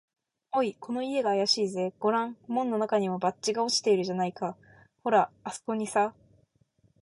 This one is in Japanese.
「おい、この家があやしいぜ。ごらん、門のなかにも、バッジが落ちているじゃないか。ほら、あすこにさ」